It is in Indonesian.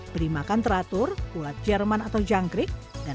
beri makan teratur ulat jerman atau jangkrik